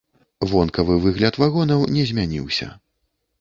Вонкавы выгляд вагонаў не змяніўся.